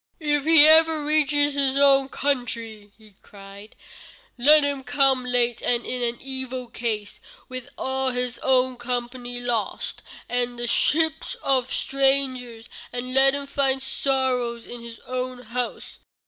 "If he ever reaches his own country," he cried, "let him come late and in an evil case, with all his own company lost, and in the ship of strangers, and let him find sorrows in his own house."